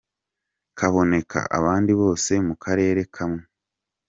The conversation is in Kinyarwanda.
Kaboneka abandi bose mu karere kamwe!.